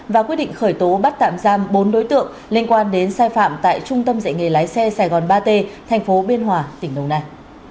và quyết định khởi tố bắt tạm giam bốn đối tượng liên quan đến sai phạm tại trung tâm dạy nghề lái xe sài gòn ba t thành phố biên hòa tỉnh đồng nai